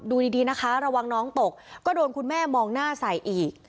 ดูดีนะคะระวังน้องตกก็โดนคุณแม่มองหน้าใส่อีก